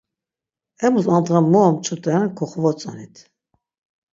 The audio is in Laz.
Emus andğa mu omç̆ut̆eren koxovotzonit.